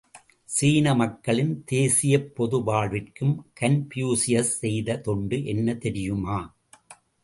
சீன மக்களின் தேசியப்பொது வாழ்விற்கும் கன்பூசியஸ் செய்த தொண்டு என்ன தெரியுமா?